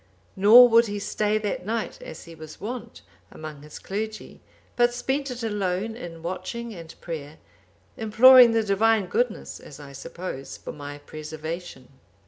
Nor would he stay that night, as he was wont, among his clergy; but spent it alone in watching and prayer, imploring the Divine goodness, as I suppose, for my preservation.